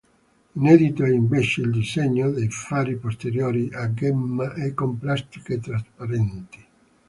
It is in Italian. Inedito è invece il disegno dei fari posteriori, a gemma e con plastiche trasparenti.